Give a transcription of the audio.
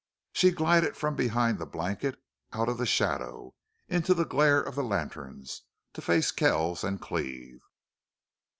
She glided from behind the blanket out of the shadow into the glare of the lanterns to face Kells and Cleve.